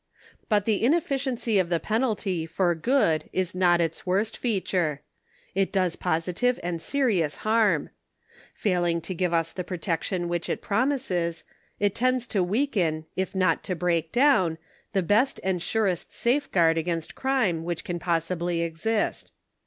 But the inefficiency of the penalty for good is not its worst feature. It does positive and serious harm. Failing to give us the protection which it promises, it tends to weaken if not to break down the best and surest safeguard against crime which can possibly exist.